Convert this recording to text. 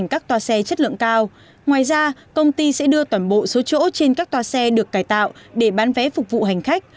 công ty sẽ đưa toàn bộ số chỗ trên các toa xe được cải tạo để bán vé phục vụ hành khách